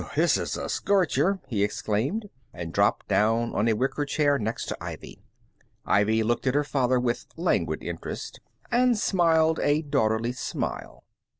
This is a scorcher!" he exclaimed, and dropped down on a wicker chair next to Ivy. Ivy looked at her father with languid interest, and smiled a daughterly smile.